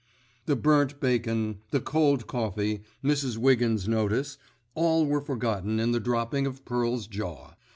The burnt bacon, the cold coffee, Mrs. Wiggins' notice; all were forgotten in the dropping of Pearl's jaw.